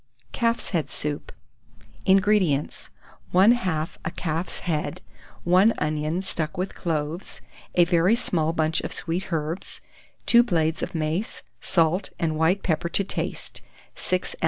CALF'S HEAD SOUP. 167. INGREDIENTS. 1/2 a calf's head, 1 onion stuck with cloves, a very small bunch of sweet herbs, 2 blades of mace, salt and white pepper to taste, 6 oz.